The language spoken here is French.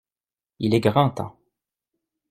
Il est grand temps.